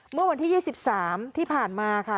เมื่อวันที่๒๓ที่ผ่านมาค่ะ